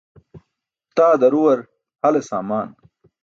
Taa daruwar hale saamaan.